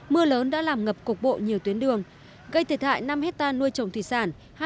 mưa lớn đã làm ngập cục bộ nhiều tuyến đường gây thiệt hại năm hectare nuôi trồng thủy sản